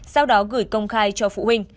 sau đó gửi công khai cho phụ huynh